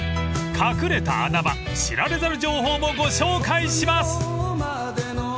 ［隠れた穴場知られざる情報もご紹介します！］